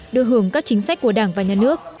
đưa hưởng các chính sách của đảng và nhà nước